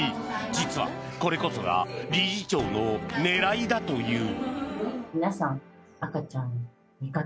実は、これこそが理事長の狙いだという。